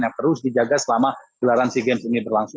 yang terus dijaga selama gelaran sea games ini berlangsung